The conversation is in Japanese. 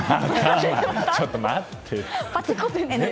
ちょっと待って。